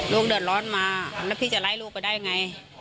เดือดร้อนมาแล้วพี่จะไล่ลูกไปได้ไง